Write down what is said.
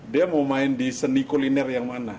dia mau main di seni kuliner yang mana